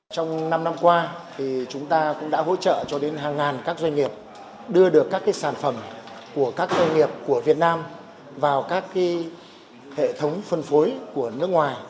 trong năm năm qua chúng ta cũng đã hỗ trợ cho đến hàng ngàn các doanh nghiệp đưa được các sản phẩm của các doanh nghiệp của việt nam vào các hệ thống phân phối của nước ngoài